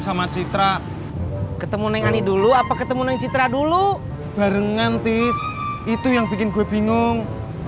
sama citra ketemu neng ani dulu apa ketemu neng citra dulu barengan tis itu yang bikin gue bingung